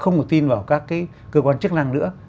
không có tin vào các cái cơ quan chức năng nữa